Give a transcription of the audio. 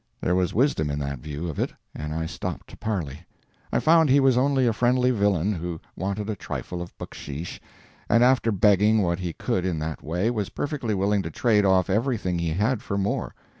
There was wisdom in that view of it, and I stopped to parley. I found he was only a friendly villain who wanted a trifle of bucksheesh, and after begging what he could get in that way, was perfectly willing to trade off everything he had for more.